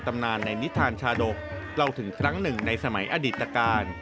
ตำนานในนิทานชาดกเล่าถึงครั้งหนึ่งในสมัยอดีตการ